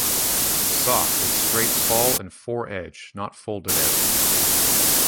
Soft with straight fall and fore edge not folded out.